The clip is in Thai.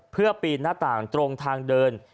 เพื่อปีนหน้าต่างตรงทางเดิน